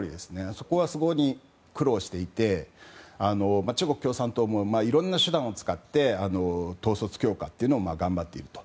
そこはすごい苦労していて中国共産党もいろんな手段を使って統率強化を頑張っていると。